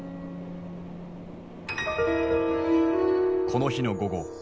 この日の午後。